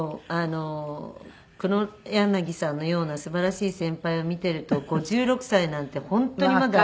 黒柳さんのようなすばらしい先輩を見ていると５６歳なんて本当にまだ。